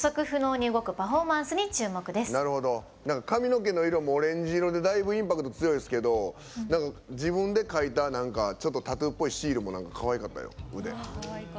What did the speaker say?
髪の毛の色もオレンジ色でだいぶ、インパクト強いですけど自分で描いたタトゥーっぽいシールもかわいかったよ、腕。